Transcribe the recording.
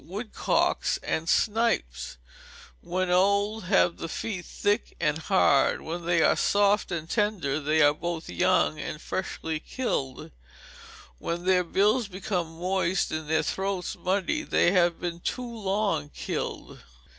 Woodcocks and Snipes, when old, have the feet thick and hard; when these are soft and tender, they are both young and fresh killed. When their bills become moist, and their throats muddy, they have been too long killed.